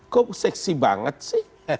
kok seksi banget sih